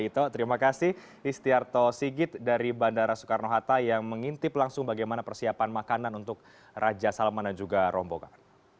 terima kasih istiarto sigit dari bandara soekarno hatta yang mengintip langsung bagaimana persiapan makanan untuk raja salman dan juga rombongan